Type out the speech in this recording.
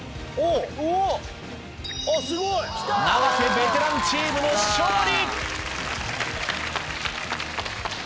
永瀬・ベテランチームの勝利。